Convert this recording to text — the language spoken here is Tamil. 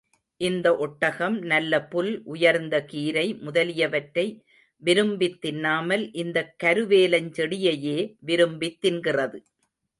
இந்த ஒட்டகம், நல்ல புல், உயர்ந்த கீரை முதலியவற்றை விரும்பித் தின்னாமல், இந்தக் கருவேலஞ் செடியையே விரும்பித் தின்கிறது.